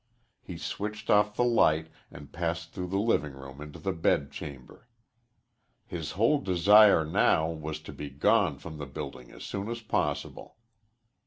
He switched off the light and passed through the living room into the bedchamber. His whole desire now was to be gone from the building as soon as possible.